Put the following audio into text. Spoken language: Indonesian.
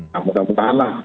nah bukan bukan lah